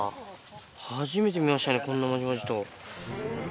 初めて見ましたね、こんなまじまじと。